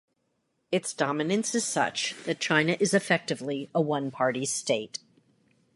Its dominance is such that China is effectively a one-party state.